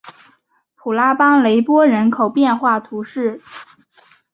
普拉邦雷波人口变化图示